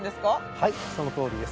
はいそのとおりです。